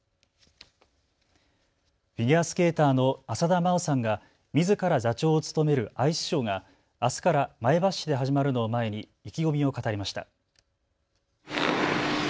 フィギュアスケーターの浅田真央さんが、みずから座長を務めるアイスショーがあすから前橋市で始まるのを前に意気込みを語りました。